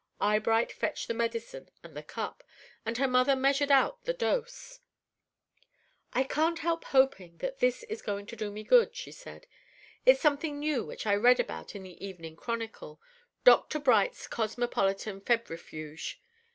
Eyebright fetched the medicine and the cup, and her mother measured out the dose. "I can't help hoping that this is going to do me good," she said. "It's something new which I read about in the 'Evening Chronicle,' Dr. Bright's Cosmopolitan Febrifuge.